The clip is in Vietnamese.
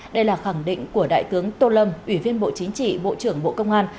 đây là khẳng định của đại tướng tô lâm ủy viên bộ chính trị bộ trưởng bộ công an